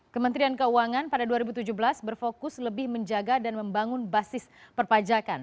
kementerian keuangan pada dua ribu tujuh belas berfokus lebih menjaga dan membangun basis perpajakan